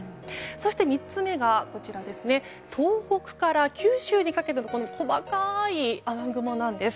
そして３つ目が東北から九州にかけての細かい雨雲なんです。